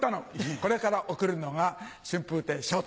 これから送るのが春風亭昇太。